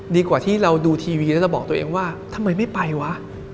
ดีกว่าที่เราดูทีวีแล้วเราบอกตัวเองว่าทำไมไม่ไปวะ